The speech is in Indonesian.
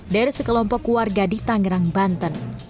dari sekelompok warga di tangerang banten